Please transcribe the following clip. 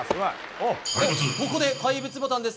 ここで怪物ボタンです。